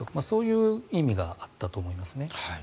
そういう意味があったと思います。